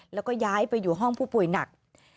แล้วก็ย้ายไปอยู่ห้องผู้ป่วยหนัก